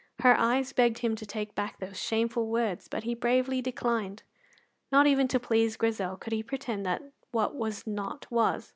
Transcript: Her eyes begged him to take back those shameful words, but he bravely declined; not even to please Grizel could he pretend that what was not was.